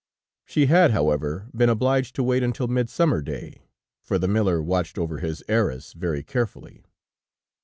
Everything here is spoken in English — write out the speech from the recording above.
She had, however, been obliged to wait until Midsummer Day, for the miller watched over his heiress very carefully.